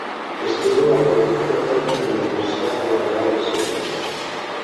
Estudou arquitectura técnica na Universidade Laboral de Sevilla.